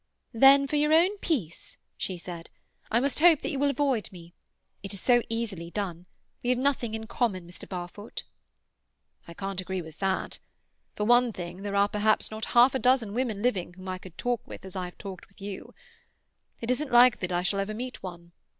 "Then, for your own peace," she said, "I must hope that you will avoid me. It is so easily done. We have nothing in common, Mr. Barfoot." "I can't agree with that. For one thing, there are perhaps not half a dozen women living with whom I could talk as I have talked with you. It isn't likely that I shall ever meet one.